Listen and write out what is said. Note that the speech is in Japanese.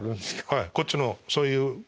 はいこっちのそういう。